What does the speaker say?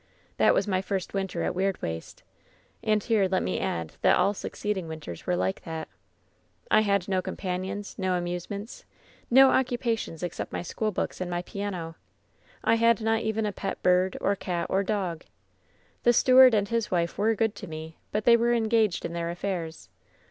That was my first winter at Weirdwaste. And here let me add that all succeeding winters were like that WHEN SHADOWS DIE 145 "I had no companions, no amusements, no occupations except my schoolbooks and my piano. I had not even a pet bird, or cat, or dog. "The steward and his wife were good to me, but they were engaged in their affairs.